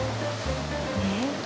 えっ？